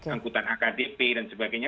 angkutan akdp dan sebagainya